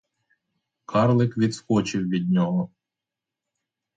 Карлик відскочив від нього.